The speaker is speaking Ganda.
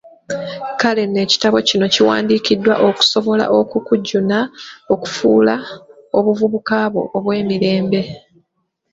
Kale nno ekitabo kino kiwandiikiddwa okusobola okukujuna okufuula obuvubuka bwo obw'emirembe.